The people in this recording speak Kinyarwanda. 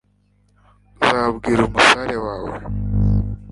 uzambwira, umusare, wawe